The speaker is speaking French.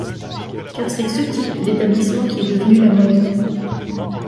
Car c'est ce type d'établissement qui est devenu la mode.